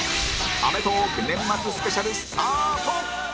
『アメトーーク』年末スペシャル、スタート！